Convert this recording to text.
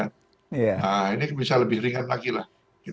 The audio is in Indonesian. nah ini bisa lebih ringan lagi lah